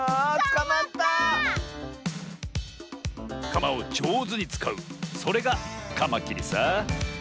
カマをじょうずにつかうそれがカマキリさ。